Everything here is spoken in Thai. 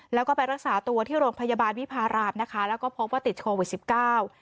แล้วก็ไปรักษาตัวที่โรงพยาบาลวิพารามนะคะแล้วก็พบว่าติดโควิดสิบเก้า